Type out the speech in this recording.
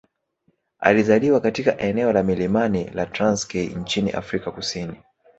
alizaliwa katika eneo la milimani la Transkei nchini Afrika Kusini